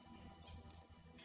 jiragan adekang samin mau bertemu